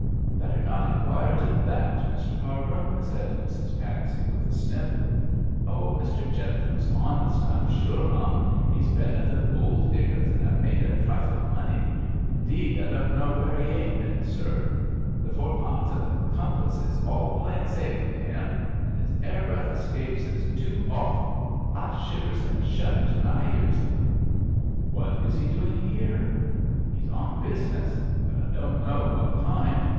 'Better not inquire into that, Mr Cargrim,' said Mrs Pansey, with a sniff. 'Oh, Mr Jentham's honest, I'm sure, mum. He's bin at the gold diggin's and 'ave made a trifle of money. Indeed, I don't know where he ain't been, sir. The four pints of the compass is all plain sailing to 'im; and his 'airbreadth escapes is too h'awful. I shivers and shudders when I 'ears 'em.' 'What is he doing here?' 'He's on business; but I don't know what kind.